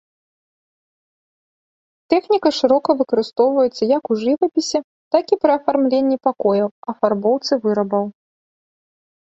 Тэхніка шырока выкарыстоўваецца як у жывапісе, так і пры афармленні пакояў, афарбоўцы вырабаў.